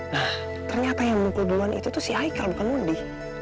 nah ternyata yang mukul duluan itu si haikal bukan mondi